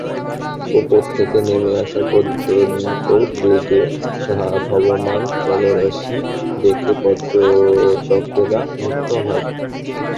ওপর থেকে নেমে আসা প্রচণ্ড বেগে ধাবমান জলরাশি দেখে পর্যটকেরা মুগ্ধ হয়।